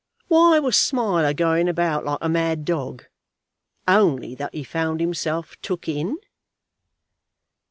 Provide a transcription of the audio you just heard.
Why was Smiler going about like a mad dog, only that he found himself took in?"